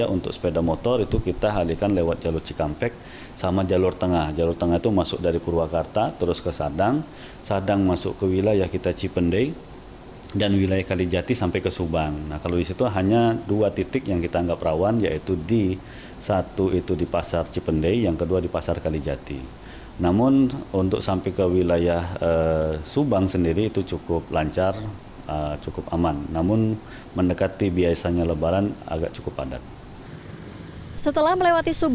untuk angkutan pemudik rata rata memang melewati